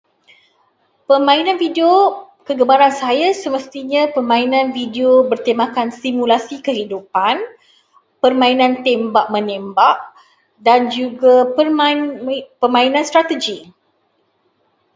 Permainan video kegemaran saya semestinya permainan video bertemakan simulasi kehidupan, permainan tembak-menembak dan juga permainan strategi.